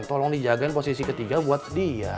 tolong dijagain posisi ketiga buat dia